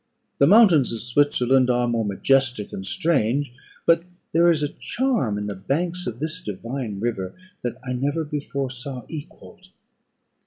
The mountains of Switzerland are more majestic and strange; but there is a charm in the banks of this divine river, that I never before saw equalled.